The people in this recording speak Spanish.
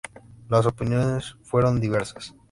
Las opiniones fueron diversas.